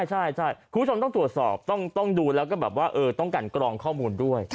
ใช่คุณผู้ชมต้องตรวจสอบต้องดูแล้วก็แบบว่าต้องกันกรองข้อมูลด้วย